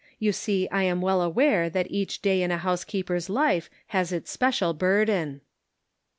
You see I am well aware that each day in a housekeeper's life has its special burden."